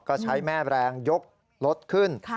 ก็ใช้แม่แรงยกรถขึ้น